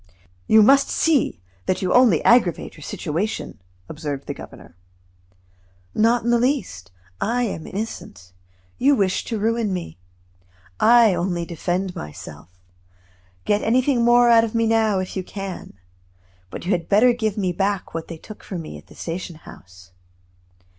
"You must see that you only aggravate your situation," observed the governor. "Not in the least. I am innocent; you wish to ruin me. I only defend myself. Get anything more out of me now, if you can. But you had better give me back what they took from me at the station house.